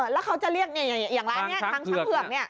แล้วเขาจะเรียกอย่างล้านนี้ทางฉังเผือก